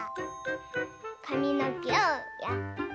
かみのけをやって。